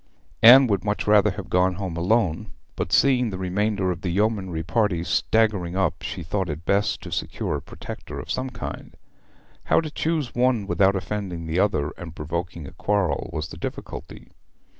Anne would much rather have gone home alone, but seeing the remainder of the yeomanry party staggering up she thought it best to secure a protector of some kind. How to choose one without offending the other and provoking a quarrel was the difficulty.